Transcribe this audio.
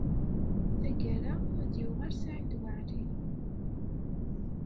Tagara, ad d-yuɣal Saɛid Waɛli.